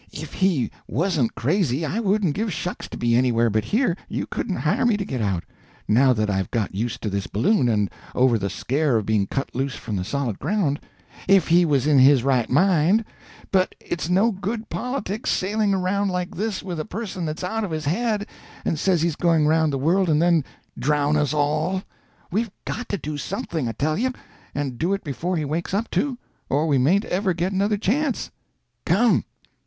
If he wasn't crazy I wouldn't give shucks to be anywhere but here; you couldn't hire me to get out—now that I've got used to this balloon and over the scare of being cut loose from the solid ground—if he was in his right mind. But it's no good politics, sailing around like this with a person that's out of his head, and says he's going round the world and then drown us all. We've got to do something, I tell you, and do it before he wakes up, too, or we mayn't ever get another chance. Come!"